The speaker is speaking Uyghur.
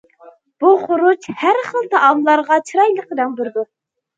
بۇ خۇرۇچ ھەر خىل تائاملارغا چىرايلىق رەڭ بېرىدۇ.